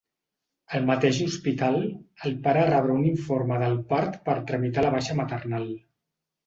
Al mateix hospital, el pare rebrà un informe del part per tramitar la baixa maternal.